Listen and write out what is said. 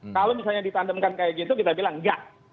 kalau misalnya ditandemkan kayak gitu kita bilang enggak